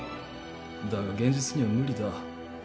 だが現実には無理だ。